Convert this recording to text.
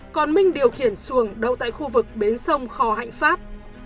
còn minh điều khiển xuồng đâu tại khu vực bến sông kho hạnh pháp